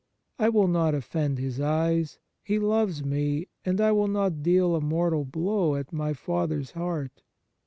" I will not offend His eyes ; He loves me, and I will not deal a mortal blow at my Father's heart.